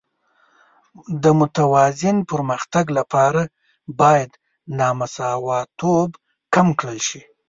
د متوازن پرمختګ لپاره باید نامساواتوب کم کړل شي.